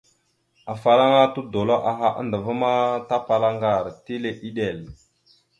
Afalaŋana tudola aha andəva, tapala aŋgar, tile eɗek.